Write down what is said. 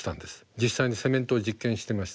実際にセメントを実験してました。